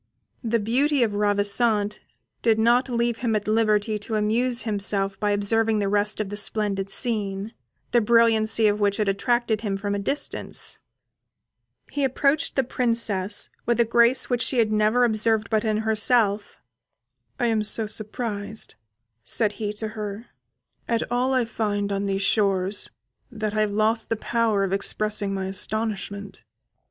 The beauty of Ravissante did not leave him at liberty to amuse himself by observing the rest of the splendid scene, the brilliancy of which had attracted him from a distance. He approached the Princess with a grace which she had never observed but in herself. "I am so surprised," said he to her, "at all I find on these shores, that I have lost the power of expressing my astonishment.